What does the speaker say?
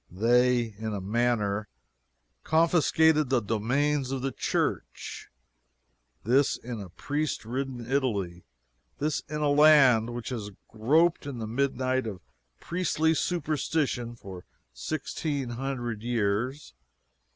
They, in a manner, confiscated the domains of the Church! This in priest ridden Italy! This in a land which has groped in the midnight of priestly superstition for sixteen hundred years!